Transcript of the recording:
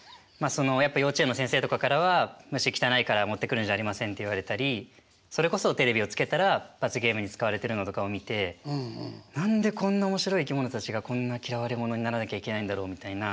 そのやっぱ幼稚園の先生とかからは虫汚いから持ってくるんじゃありませんって言われたりそれこそテレビをつけたら罰ゲームに使われてるのとかを見て何でこんな面白い生き物たちがこんな嫌われ者にならなきゃいけないんだろうみたいな。